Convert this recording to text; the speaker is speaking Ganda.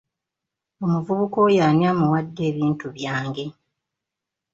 Omuvubuka oyo ani amuwadde ebintu byange.